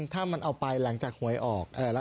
ถ้ามันเอาไปหลังจากหวยออก